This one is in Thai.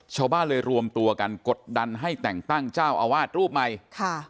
ชาวบ้านเลยรวมตัวกันกดดันให้แต่งตั้งเจ้าอาวาสรูปใหม่ค่ะ